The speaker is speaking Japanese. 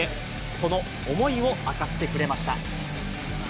その思いを明かしてくれました。